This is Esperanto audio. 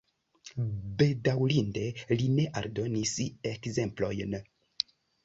Bedaŭrinde li ne aldonis ekzemplojn.